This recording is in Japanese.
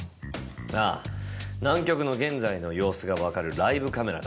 ああ南極の現在の様子が分かるライブカメラだ。